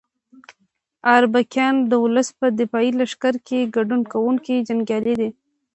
اربکیان د ولس په دفاعي لښکر کې ګډون کوونکي جنګیالي دي.